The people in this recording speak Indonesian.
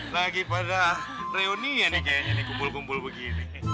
lagi pada reuni ya nih kayaknya kumpul kumpul begini